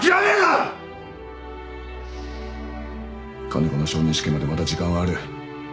金子の昇任試験までまだ時間はある。